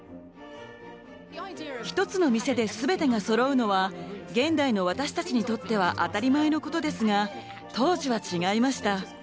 １つの店で全てがそろうのは現代の私たちにとっては当たり前のことですが当時は違いました。